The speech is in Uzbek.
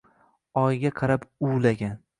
Oyga qarab uvlagan